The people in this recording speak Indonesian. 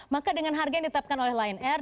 maka dengan harga yang ditetapkan oleh lion air